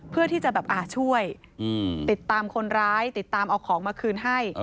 เพื่อที่จะแบบช่วยติดตามคนร้ายติดตามเอาของมาคืนให้